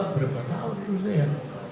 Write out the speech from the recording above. berapa tahun itu saya